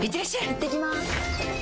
いってきます！